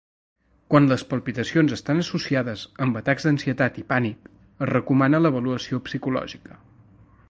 Quan les palpitacions estan associades amb atacs d'ansietat i pànic, es recomana l'avaluació psicològica.